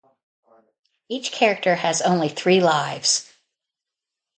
Each character has only three lives.